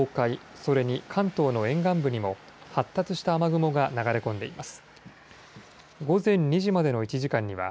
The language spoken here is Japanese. それに関東の沿岸部にも発達した雨雲が流れ込んでいます。